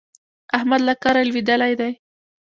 احمد له کاره لوېدلی دی.